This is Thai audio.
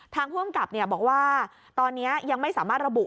ผู้อำกับบอกว่าตอนนี้ยังไม่สามารถระบุ